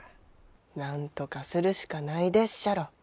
なんとかするしかないでっしゃろ。